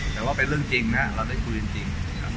แต่ว่าเป็นเรื่องจริงนะเราได้คุยจริง